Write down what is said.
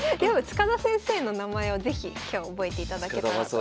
塚田先生の名前を是非今日覚えていただけたらと。